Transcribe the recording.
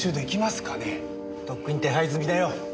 とっくに手配済みだよ！